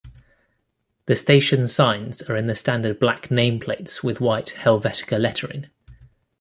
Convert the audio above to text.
The station's signs are in the standard black name plates with white Helvetica lettering.